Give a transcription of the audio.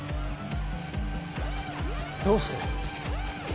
どうして？